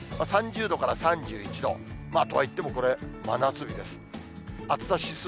３０度から３１度、とはいってもこれ、真夏日です。